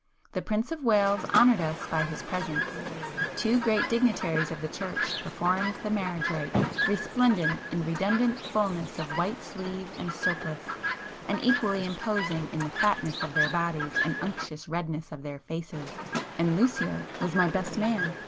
The Prince of Wales honoured us by his presence: two great dignitaries of the church performed the marriage rite, resplendent in redundant fulness of white sleeve and surplice, and equally imposing in the fatness of their bodies and unctuous redness of their faces; and Lucio was my 'best man.